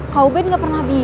kau ubed gak pernah bilang ya